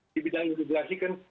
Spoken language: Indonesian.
di bidang imigrasi kan